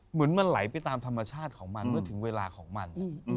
เหมือนมันไหลไปตามธรรมชาติของมันเมื่อถึงเวลาของมัน